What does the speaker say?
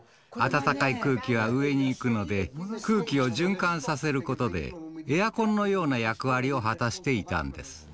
暖かい空気は上に行くので空気を循環させる事でエアコンのような役割を果たしていたんです。